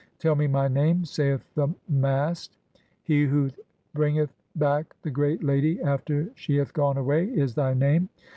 "Tell me my name," saith the Mast ; (15) "He who bringeth "back the great lady after she hath gone away" is thy name.